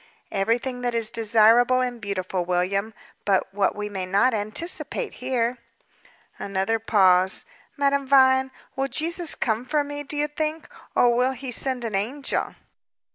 "Everything that is desirable and beautiful, William; but, what we may not anticipate here." Another pause. "Madame Vine, will Jesus come for me, do you think, or will He send an angel?"